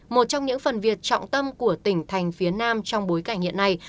một trong những phần việc trọng tâm của tỉnh thành phía nam trong bối cảnh hiện nay